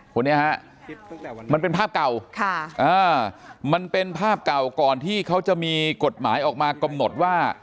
คนนี้ฮะมันเป็นภาพเก่ามันเป็นภาพเก่าก่อนที่เขาจะมีกฎหมายออกมากำหนดว่า